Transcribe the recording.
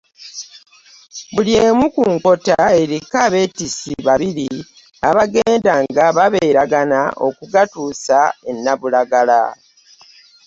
Buli emu ku nkota eriko abeetissi babiri abaagendanga babeeragana okugatuusa e Nabulagala.